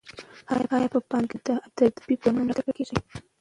ایا په پوهنتون کې د ادبي پروګرامونو ملاتړ کیږي؟